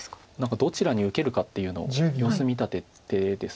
どちらに受けるかっていうのを様子見た手です。